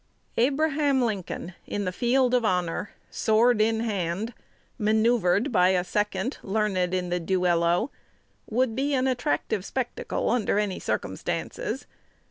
Abraham Lincoln in the field of honor, sword in hand, manoeuvred by a second learned in the duello, would be an attractive spectacle under any circumstances.